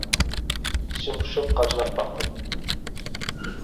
ئىچىم پۇشۇپ قاچىلاپ باقتىم.